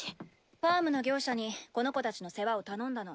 ファームの業者にこの子たちの世話を頼んだの。